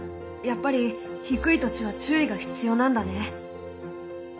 やっぱり低い土地は注意が必要なんだね。